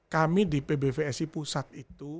kami di pbvsi pusat itu